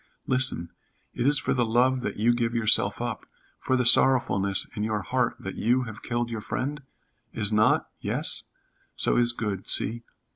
Listen, it is for the love that you give yourself up for the sorrowfulness in your heart that you have killed your friend? Is not? Yes. So is good. See.